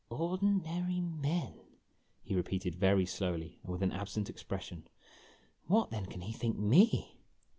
" Ordinary men," he repeated very slowly and with an absent expression. "What then can he think me?"